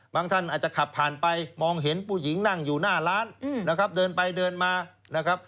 บางท่านอาจจะขับผ่านไปมองเห็นผู้หญิงนั่งอยู่หน้าร้านเดินไปเดินมา